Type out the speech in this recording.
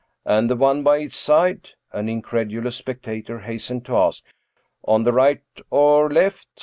"And the one by its side?" an incredulous spectator hastened to ask. " On the right or left?